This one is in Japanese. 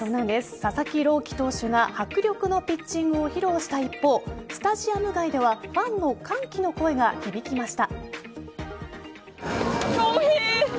佐々木朗希投手が迫力のピッチングを披露した一方スタジアム外ではファンの歓喜の声が響きました。